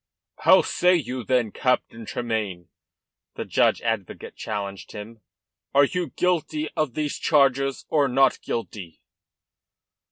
"How say you, then, Captain Tremayne?" the judge advocate challenged him. "Are you guilty of these charges or not guilty?"